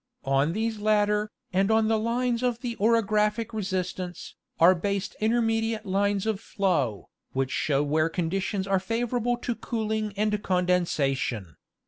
On these latter, and on the lines of the orographic resistance, are based intermediate lines of flow, which show where conditions are favorable to cooling and condensation.